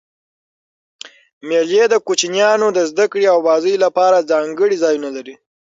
مېلې د کوچنيانو د زدهکړي او بازيو له پاره ځانګړي ځایونه لري.